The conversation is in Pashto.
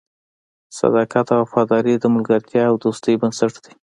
صداقت او وفاداري د ملګرتیا او دوستۍ بنسټ دی.